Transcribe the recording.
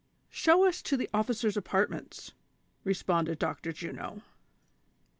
"Show us to the officers' apartments," responded Dr. Juno.